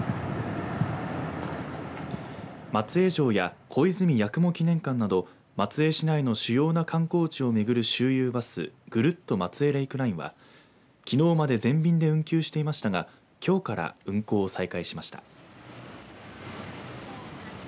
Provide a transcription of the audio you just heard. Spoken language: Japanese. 松江城や小泉八雲記念館など松江市内の主要な観光地を巡る周遊バスぐるっと松江レイクラインはきのうまで全便で運休していましたが、きょうから運行を再開しました。